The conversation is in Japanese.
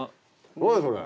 何それ？